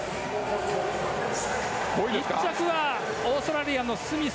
１着はオーストラリア、スミス。